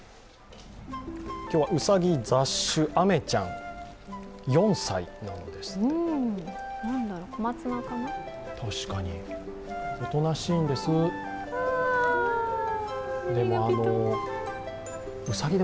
今日はうさぎ、雑種、アメちゃん、４歳なんですって。